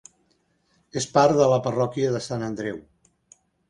És part de la parròquia de Sant Andreu.